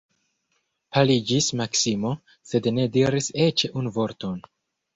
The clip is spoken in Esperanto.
Paliĝis Maksimo, sed ne diris eĉ unu vorton.